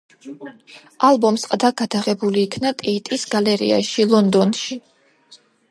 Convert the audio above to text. ალბომს ყდა გადაღებული იქნა ტეიტის გალერეაში, ლონდონში.